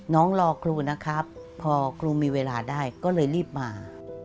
รอครูนะครับพอครูมีเวลาได้ก็เลยรีบมา